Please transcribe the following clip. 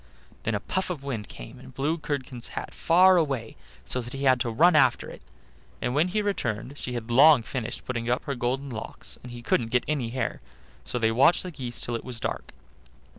Then a puff of wind came and blew Curdken's hat far away, so that he had to run after it; and when he returned she had long finished putting up her golden locks, and he couldn't get any hair; so they watched the geese till it was dark.